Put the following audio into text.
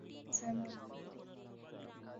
ধন্যবাদ, স্যামন।